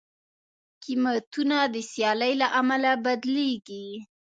قیمتونه د سیالۍ له امله بدلېږي.